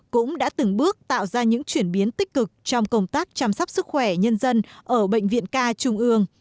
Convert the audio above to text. cũng đã từng bước tạo ra những chuyển biến tích cực trong công tác chăm sóc sức khỏe nhân dân ở bệnh viện ca trung ương